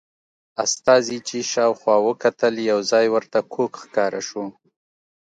استازي چې شاوخوا وکتل یو ځای ورته کوږ ښکاره شو.